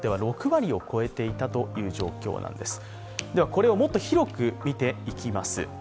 これをもっと広く見ていきます。